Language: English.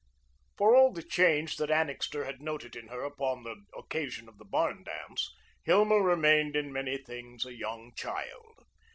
For all the change that Annixter had noted in her upon the occasion of the barn dance, Hilma remained in many things a young child.